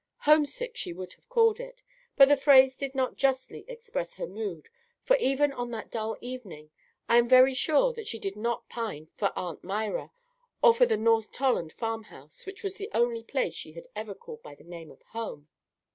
"Homesick" she would have called it; but the phrase did not justly express her mood, for even on that dull evening I am very sure that she did not pine for Aunt Myra, or for the North Tolland farm house, which was the only place she had ever called by the name of home.